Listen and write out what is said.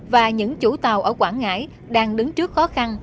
và những chủ tàu ở quảng ngãi đang đứng trước khó khăn